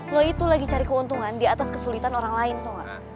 lo itu lagi cari keuntungan di atas kesulitan orang lain tuh gak